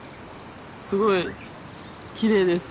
すごいきれいです。